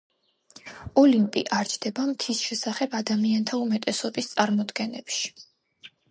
ოლიმპი არ ჯდება მთის შესახებ ადამიანთა უმეტესობის წარმოდგენებში.